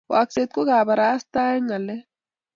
wakset ko barastae ngalek